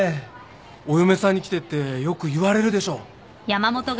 お嫁さんに来てってよく言われるでしょ？